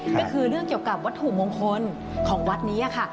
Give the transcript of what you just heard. ก็คือเรื่องเกี่ยวกับวัตถุมงคลของวัดนี้ค่ะ